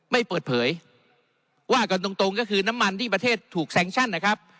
ไม่เปิดเผยว่ากันตรงตรงก็คือน้ำมันที่ประเทศถูกแซงชั่นนะครับ